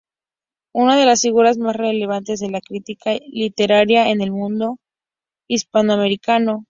Una de las figuras más relevantes de la crítica literaria en el mundo hispanoamericano.